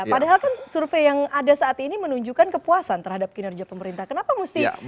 padahal kan survei yang ada saat ini menunjukkan kepuasan terhadap kinerja pemerintah kenapa mesti